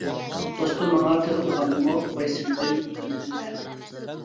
دوستۇم ماڭا تىغ ئۇرغاندىمۇ، ۋايسىمىدىم قىلمىدىم تەنە.